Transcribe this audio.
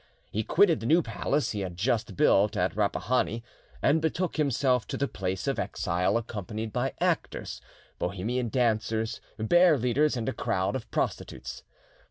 He quitted the new palace he had just built at Rapehani, and betook himself to the place of exile, accompanied by actors, Bohemian dancers, bear leaders, and a crowd of prostitutes.